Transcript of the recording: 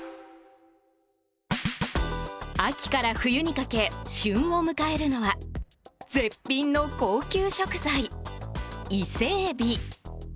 秋から冬にかけ旬を迎えるのは絶品の高級食材、イセエビ。